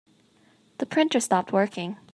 The printer stopped working.